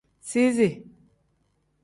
Sizi.